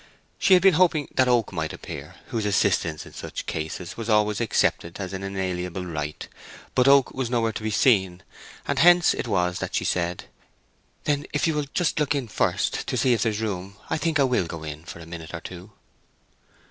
She had been hoping that Oak might appear, whose assistance in such cases was always accepted as an inalienable right, but Oak was nowhere to be seen; and hence it was that she said, "Then if you will just look in first, to see if there's room, I think I will go in for a minute or two."